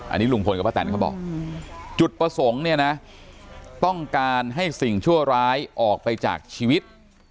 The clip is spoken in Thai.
อันนี้ลุงพลกับป้าแตนเขาบอกจุดประสงค์เนี่ยนะต้องการให้สิ่งชั่วร้ายออกไปจากชีวิต